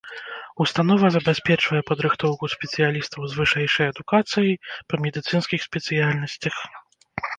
Установа забяспечвае падрыхтоўку спецыялістаў з вышэйшай адукацыяй па медыцынскіх спецыяльнасцях.